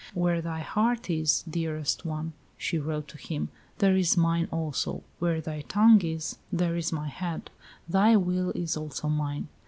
"Where thy heart is, dearest one," she wrote to him, "there is mine also; where thy tongue is, there is my head; thy will is also mine."